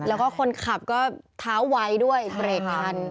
แล้วก็คนขับก็เท้าไวด้วยเบรกทัน